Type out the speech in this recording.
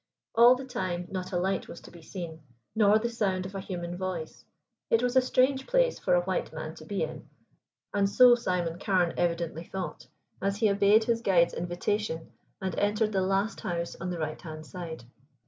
All the time not a light was to be seen, nor the sound of a human voice. It was a strange place for a white man to be in, and so Simon Carne evidently thought as he obeyed his guide's invitation and entered the last house on the right hand side.